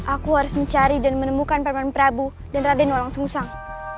aku harus mencari dan menemukan paman prabu dan raden walang sengusang